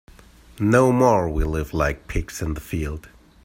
No more we live like pigs in the field.